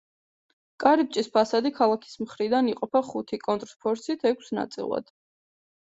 კარიბჭის ფასადი ქალაქის მხრიდან იყოფა ხუთი კონტრფორსით ექვს ნაწილად.